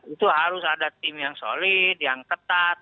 itu harus ada tim yang solid yang ketat